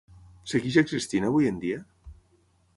Segueix existint avui en dia?